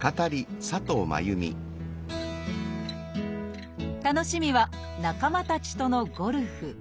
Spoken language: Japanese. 楽しみは仲間たちとのゴルフ。